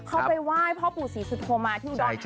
เข้าไปไหว่พ่อปู่สีสุธโพมี่ที่อุดรทานีปุ่น